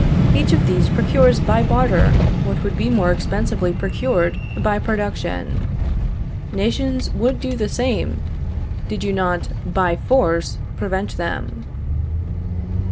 Each of these procures by barter, what would be more expensively procured by production. Nations would do the same, did you not by force prevent them.